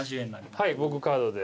はい僕カードで。